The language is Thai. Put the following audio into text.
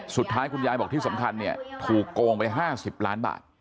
สุดท้ายคุณยายบอกที่สำคัญเนี่ยถูกโกงไป๕๐ล้านบาท